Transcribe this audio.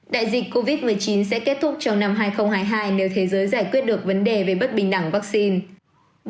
đại dịch covid một mươi chín sẽ kết thúc trong năm hai nghìn hai mươi hai nếu thế giới giải quyết được vấn đề về bất bình đẳng vaccine